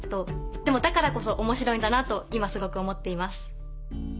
でもだからこそ面白いんだなと今すごく思っています。